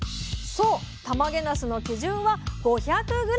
そうたまげなすの基準は５００ｇ！